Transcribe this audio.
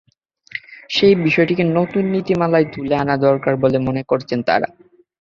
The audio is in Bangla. সেই বিষয়টিকে নতুন নীতিমালায় তুলে আনা দরকার বলে মনে করছেন তাঁরা।